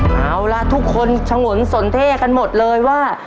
เอาล่ะทุกคนฉงนสนเท่กันหมดเลยว่า